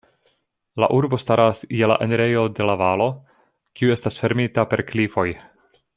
La urbo staras je la enirejo de la valo, kiu estas fermita per klifoj.